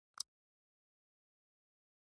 چې تاسو فکر کوئ هغه درته رښتیا وایي.